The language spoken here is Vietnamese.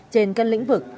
trên các lĩnh vực